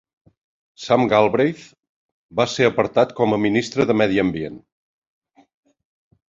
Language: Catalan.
Sam Galbraith va ser apartat com a ministre de Medi Ambient.